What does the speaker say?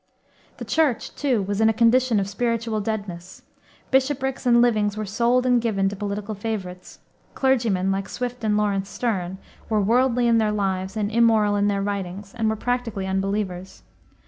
The Church, too, was in a condition of spiritual deadness. Bishoprics and livings were sold and given to political favorites. Clergymen, like Swift and Lawrence Sterne, were worldly in their lives and immoral in their writings, and were practically unbelievers.